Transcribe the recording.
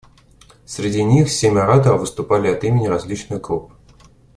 Среди них семь ораторов выступали от имени различных групп.